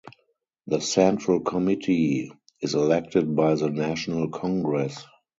The Central Committee is elected by the National Congress.